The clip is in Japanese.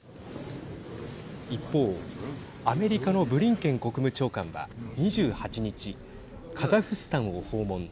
一方アメリカのブリンケン国務長官は２８日カザフスタンを訪問。